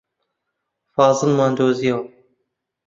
فازڵمان دۆزییەوە.